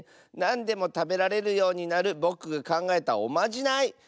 なんでもたべられるようになるぼくがかんがえたおまじない。